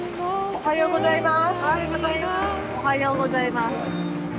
・おはようございます。